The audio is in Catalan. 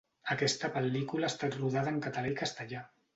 Aquesta pel·lícula ha estat rodada en català i castellà.